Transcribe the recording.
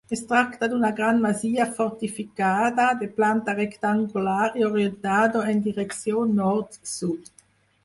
Es tracta d'una gran masia fortificada, de planta rectangular i orientada en direcció nord-sud.